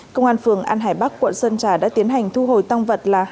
công an phường an hải bắc quận sơn trà đã tiến hành thu hồi tăng vật là